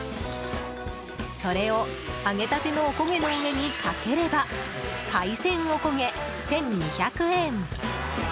それを揚げたてのおこげの上にかければ海鮮おこげ、１２００円。